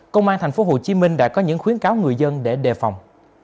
công an tp hcm đã có những khuyến cáo người dân để đề phòng